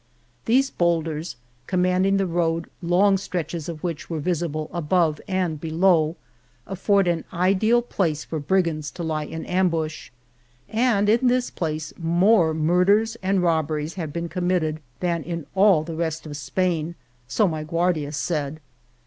These bowlders, commanding the road, long stretches of which were visible above and below, afford an ideal place for brigands to lie in ambush. And in this place more murders and robberies have been com mitted than in all the rest of Spain, so my Guardias said.